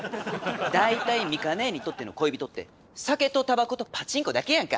大体ミカ姉にとっての恋人って酒とたばことパチンコだけやんか！